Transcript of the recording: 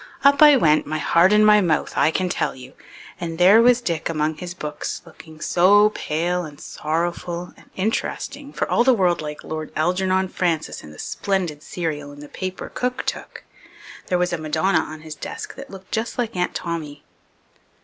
Up I went, my heart in my mouth, I can tell you, and there was Dick among his books, looking so pale and sorrowful and interesting, for all the world like Lord Algernon Francis in the splendid serial in the paper cook took. There was a Madonna on his desk that looked just like Aunt Tommy.